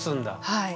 はい。